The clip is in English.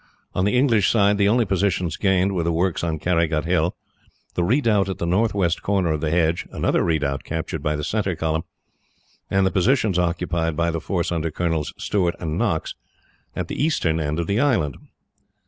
On the English side, the only positions gained were the works on Carrygut Hill, the redoubt at the northwest corner of the hedge, another redoubt captured by the centre column, and the positions occupied by the force under Colonels Stuart and Knox, at the eastern end of the island.